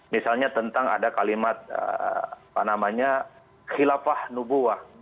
misalnya tentang ada kalimat apa namanya khilafah nubuah